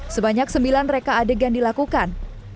sebanyak sembilan reka adegan dilakukan